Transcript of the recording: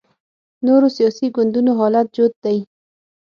نورو سیاسي ګوندونو حال جوت دی